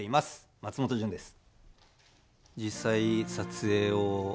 松本潤です。